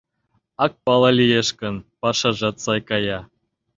Ак пале лиеш гын, пашажат сай кая.